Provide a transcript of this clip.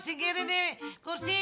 singkirin nih kursi